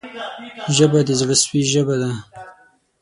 ژبه د زړه سوي ژبه ده